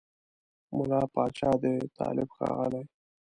مُلا پاچا دی طالب ښاغلی